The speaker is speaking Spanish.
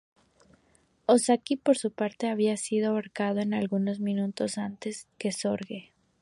Ozaki, por su parte, había sido ahorcado algunos minutos antes que Sorge.